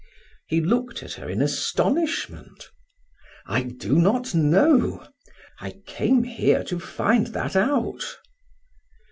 He looked at her in astonishment. "I do not know; I came here to find that out."